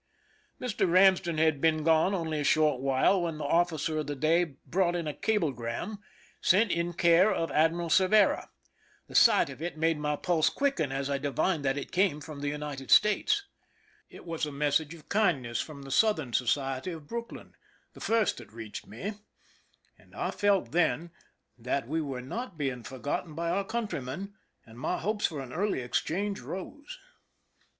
Mr. Ramsden had been gone only a short while when the officer of the day brought in a cablegram, sent in care of Admiral Cervera, The sight of it made my pulse quicken, as I divined that it came from the United States. It was a message of kind ness from the Southern Society of Brooklyn, the first that reached me ; and I felt then that we were 228 PRISON LIFE THE SIEGE not being forgotten by onr countrymen, and my hopes for an early exchange rose.